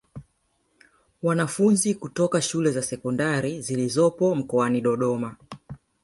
Wanafunzi kutoka shule za Sekondari zilizopo mkoani Dodoma